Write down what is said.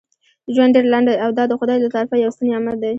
ژوند ډیر لنډ دی او دا دخدای له طرفه یو ستر نعمت دی.